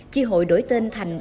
chi hội đổi tên thành